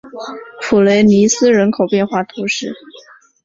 普雷尼斯人口变化图示